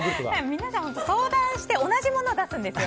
皆さん相談して同じもの出すんですよ。